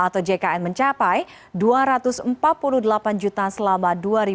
atau jkn mencapai dua ratus empat puluh delapan juta selama dua ribu dua puluh